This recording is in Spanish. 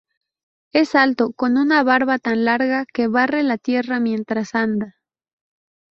Es alto, con una barba tan larga que barre la tierra mientras anda.